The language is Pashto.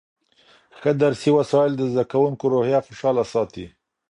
ښه درسي وسایل د زده کوونکو روحیه خوشحاله ساتي.